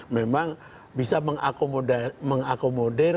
memang bisa mengakomodir berbagai macam aspirasi sehingga tidak ada kejadian kejadian